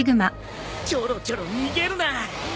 ちょろちょろ逃げるな。